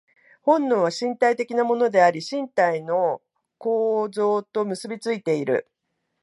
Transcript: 本能は身体的なものであり、身体の構造と結び付いている。